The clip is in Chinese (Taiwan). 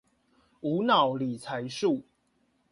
無腦理財術